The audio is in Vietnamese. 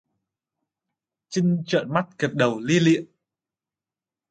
Chinh trợn mắt gật đầu lia lịa